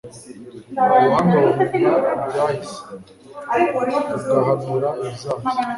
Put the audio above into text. ubuhanga bumenya ibyahise, bugahanura ibizaza